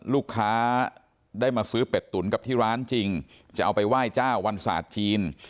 ลูกค้าได้มาซื้อเป็ดตุ๋นกับที่ร้านจริงจะเอาไปไหว้เจ้าวันศาสตร์จีน